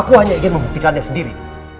aku hanya ingin membuktikannya sendiri